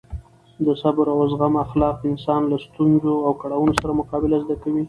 د صبر او زغم اخلاق انسان له ستونزو او کړاوونو سره مقابله زده کوي.